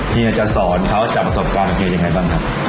เฮียจะสอนเขาจากประสบการณ์เฮียยังไงบ้างครับ